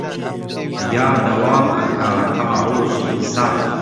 یا دەوام ئەکا تا ڕۆژی حیساب